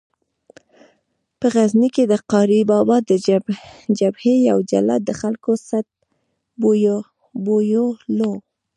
په غزني کې د قاري بابا د جبهې یو جلاد د خلکو څټ بویولو.